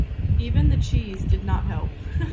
Even the cheese did not help.